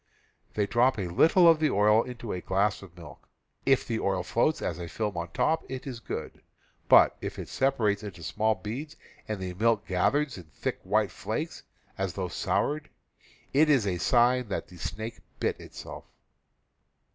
They drop a little of the oil into a glass of milk. If the oil floats as a film on top it is good; but if it sepa rates into small beads and the milk gathers in thick white flakes, as though soured, it is a sign that the snake bit itself.